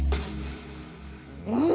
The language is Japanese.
うん！